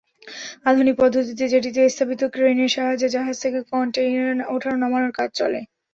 আধুনিক পদ্ধতিতে জেটিতে স্থাপিত ক্রেনের সাহায্যে জাহাজ থেকে কনটেইনার ওঠানো-নামানোর কাজ চলে।